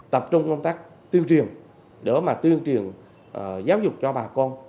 tập trung công tác tuyên truyền để mà tuyên truyền giáo dục cho bà con